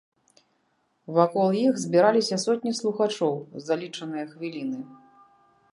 Вакол іх збіраліся сотні слухачоў за лічаныя хвіліны.